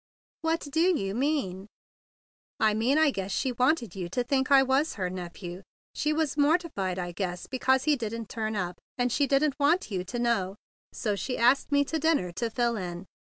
"What do you mean?" "I mean she wanted you to think I was her nephew. She was mortified, I guess, because he didn't turn up, and she didn't want you to know. So she asked me to dinner to fill in.